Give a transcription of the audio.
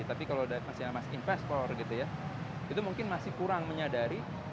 tapi kalau masih investor gitu ya itu mungkin masih kurang menyadari